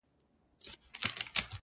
اورونه دې دستي _ ستا په لمن کي جانانه _